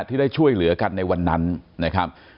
ที่ได้ช่วยเหลือกันในวันนั้นนะครับ